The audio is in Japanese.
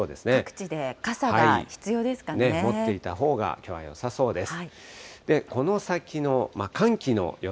持っていたほうが、きょうはよさそうです。